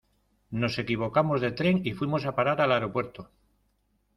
Nos equivocamos de tren y fuimos a parar al aeropuerto.